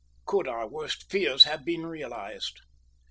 Could our worst fears have been realised?